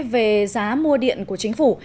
về giá mua điện của chính phủ